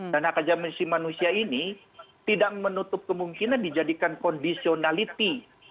hak ajasi manusia ini tidak menutup kemungkinan dijadikan conditionality